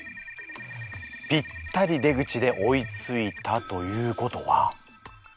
ぴったり出口で追いついたということは？